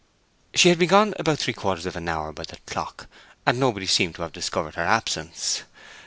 She had been gone about three quarters of an hour by the clock, and nobody seemed to have discovered her absence.